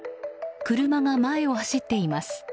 車が前を走っています。